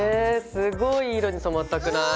すごいいい色に染まったくない？